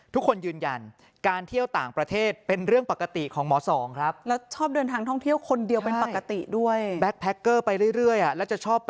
ทุกคนยืนยันการเที่ยวต่างประเทศเป็นเรื่องปกติของหมอสองครับ